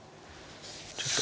ちょっと。